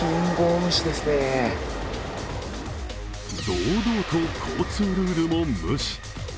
堂々と交通ルールも無視。